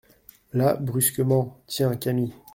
Là, brusquement : Tiens, Camille !